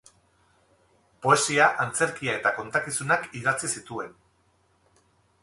Poesia, antzerkia eta kontakizunak idatzi zituen.